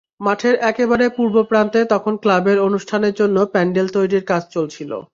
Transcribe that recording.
মাঠের একেবারে পূর্ব প্রান্তে তখন ক্লাবের অনুষ্ঠানের জন্য প্যান্ডেল তৈরির কাজ চলছিল।